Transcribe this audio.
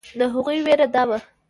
د هغوی وېره دا وه.